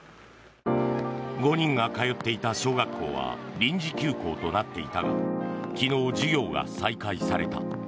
５人が通っていた小学校は臨時休校となっていたが昨日、授業が再開された。